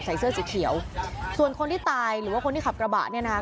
เสื้อสีเขียวส่วนคนที่ตายหรือว่าคนที่ขับกระบะเนี่ยนะคะ